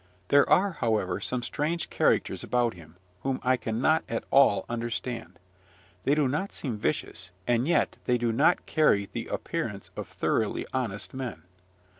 There are, however, some strange characters about him, whom I cannot at all understand. They do not seem vicious, and yet they do not carry the appearance of thoroughly honest men.